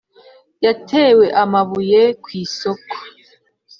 yatewe amabuye ku isoko